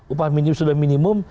upah sudah minimum